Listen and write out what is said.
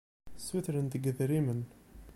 Ssutren-d deg-i idrimen.